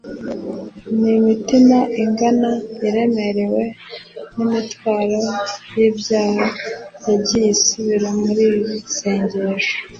Ni imitima ingana iremerewe n'imitwaro y'ibyaha yagiye isubira muriri sengesho!